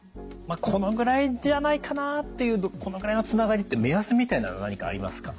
このぐらいじゃないかなっていうこのぐらいのつながりって目安みたいのは何かありますか？